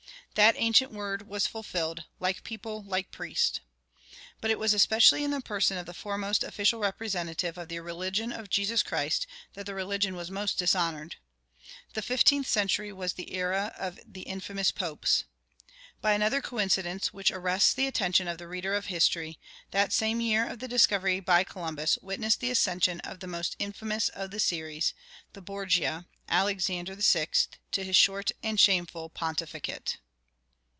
That ancient word was fulfilled, "Like people, like priest." But it was especially in the person of the foremost official representative of the religion of Jesus Christ that that religion was most dishonored. The fifteenth century was the era of the infamous popes. By another coincidence which arrests the attention of the reader of history, that same year of the discovery by Columbus witnessed the accession of the most infamous of the series, the Borgia, Alexander VI., to his short and shameful pontificate.